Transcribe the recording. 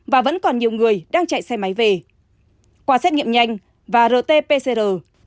và vẫn còn nhiều người đang chạy xe máy về qua xét nghiệm nhanh và rt pcr